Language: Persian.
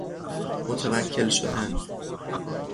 متوکل شدن